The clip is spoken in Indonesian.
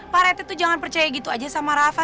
pak rednya tuh jangan percaya gitu aja sama rafa